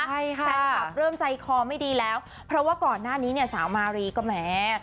ใช่ค่ะแฟนคลับเริ่มใจคอไม่ดีแล้วเพราะว่าก่อนหน้านี้เนี่ยสาวมารีก็แหม